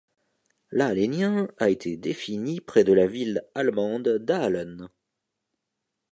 L'Aalénien a été défini près de la ville allemande d'Aalen.